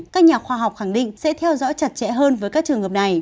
các nhà khoa học khẳng định sẽ theo dõi chặt chẽ hơn với các trường hợp này